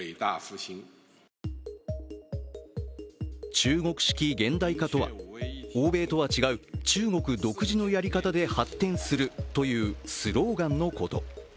中国式現代化とは、欧米とは違う、中国独自のやり方で発展するというスローガンのこと。